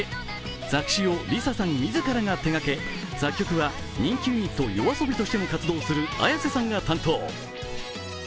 作詞をＬｉＳＡさん自らが手がけ作曲は人気ユニットＹＯＡＳＯＢＩとしても活動するＡｙａｓｅさんが担当。